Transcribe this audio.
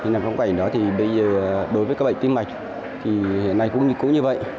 năm trong quảy đó thì bây giờ đối với các bệnh tim mạch thì hiện nay cũng như vậy